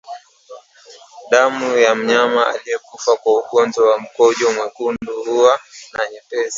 Damu ya mnyama aliyekufa kwa ugonjwa wa mkojo mwekundu huwa na nyepesi